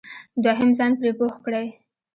دوهم ځان پرې پوه کړئ.